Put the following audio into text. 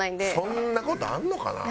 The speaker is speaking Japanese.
そんな事あんのかな？